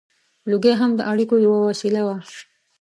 • لوګی هم د اړیکو یوه وسیله وه.